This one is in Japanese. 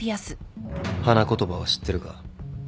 花言葉は知ってるか？